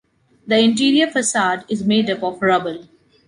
The interior facade is made of rubble.